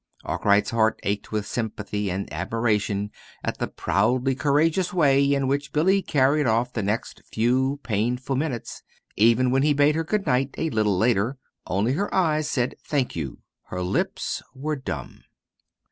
Arkwright's heart ached with sympathy and admiration at the proudly courageous way in which Billy carried off the next few painful minutes. Even when he bade her good night a little later, only her eyes said "thank you." Her lips were dumb.